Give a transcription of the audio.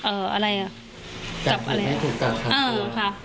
เอออะไรกับอะไรถูกเออค่ะ